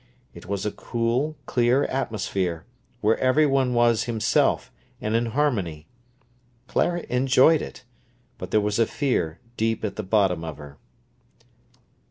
It was a cool, clear atmosphere, where everyone was himself, and in harmony. Clara enjoyed it, but there was a fear deep at the bottom of her.